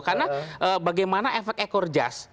karena bagaimana efek ekor jas